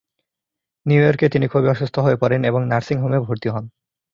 New ইয়র্কে তিনি খুবই অসুস্থ হয়ে পড়েন এবং নার্সিং হোমে ভর্তি হন।